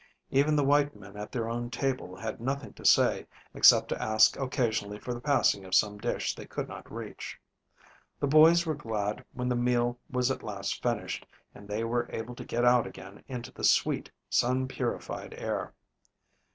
Even the white men at their own table had nothing to say, except to ask occasionally for the passing of some dish they could not reach. The boys were glad when the meal was at last finished and they were able to get out again into the sweet, sun purified air.